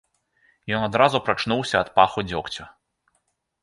Ён адразу прачнуўся ад паху дзёгцю.